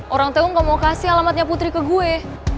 orang tewa gak mau kasih alamatnya putri ke gue